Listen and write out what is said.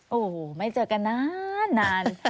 โอ้โหไม่เจอกันนาน